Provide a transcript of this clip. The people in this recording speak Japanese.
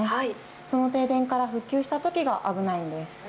その停電から復旧したときが危ないんです。